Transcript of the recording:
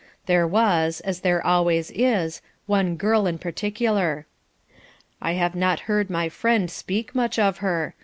There was, as there always is, one girl in particular. I have not heard my friend speak much of her.